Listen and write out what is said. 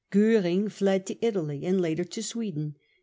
Goering flecj to Italy and later to Sweden.